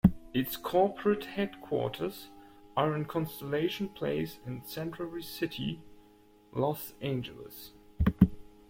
Its corporate headquarters are in Constellation Place in Century City, Los Angeles.